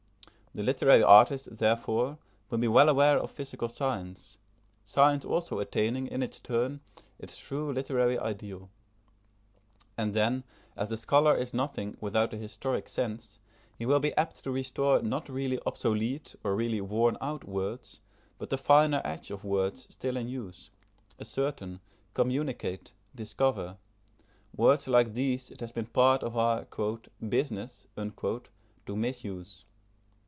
The literary artist, therefore, will be well aware of physical science; science also attaining, in its turn, its true literary ideal. And then, as the scholar is nothing without the historic sense, he will be apt to restore not really obsolete or really worn out words, but the finer edge of words still in use: ascertain, communicate, discover words like these it has been part of our "business" to misuse.